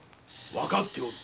わかっておる。